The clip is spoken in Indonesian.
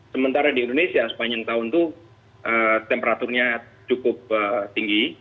sementara di indonesia sepanjang tahun itu temperaturnya cukup tinggi